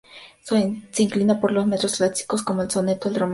Se inclina por los metros clásicos como el soneto, el romance y la copla.